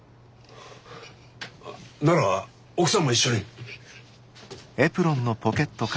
なら奥さんも一緒に。